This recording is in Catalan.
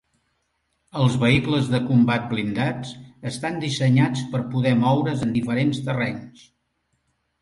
Els vehicles de combat blindats estan dissenyats per poder moure's en diferents terrenys.